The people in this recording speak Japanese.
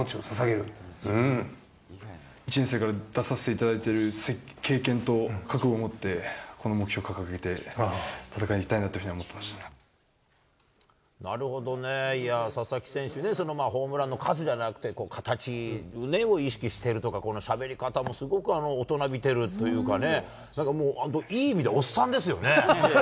１年生から出させていただいてる経験と覚悟を持って、この目標掲げて、なるほどね、いや、佐々木選手ね、ホームランの数じゃなくて、形を意識してるとか、このしゃべり方も、すごく大人びてるっていうかね、なんかもう、いい意味でおっさんですよね。